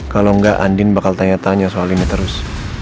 kalau enggak andin bakal tanya tanya soal ini terus